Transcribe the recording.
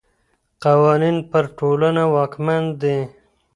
قوانین پر ټولنه واکمن دي.